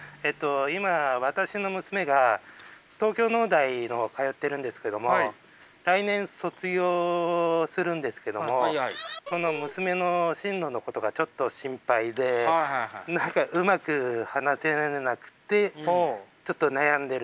今私の娘が東京農大の方通ってるんですけども来年卒業するんですけどもその娘の進路のことがちょっと心配で何かうまく話せなくてちょっと悩んでるんですけども。